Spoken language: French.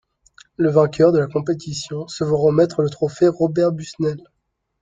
Le vainqueur de la compétition se voit remettre le Trophée Robert Busnel.